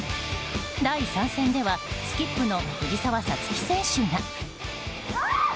第３戦ではスキップの藤澤五月選手が。